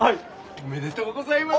ありがとうございます！